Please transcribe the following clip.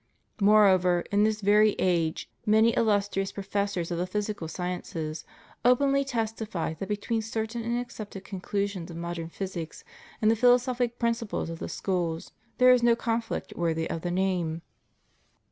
Moreover, in this very age many illustrious professors of the physical sciences openly testify that between certain and accepted conclusions of modern physics and the philosophic principles of the schools there is no conflict worthy of the name.